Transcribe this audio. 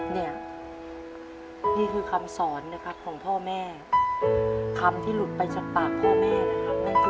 นี่คือคำสอนนะครับของพ่อแม่คำที่หลุดไปจากปากพ่อแม่นะครับ